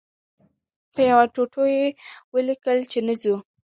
په یوه ټوټو یې ولیکل چې نه ځو.